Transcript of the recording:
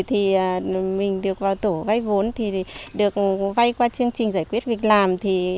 thì mình được vào tổ vay vốn thì được vay qua chương trình giải quyết việc làm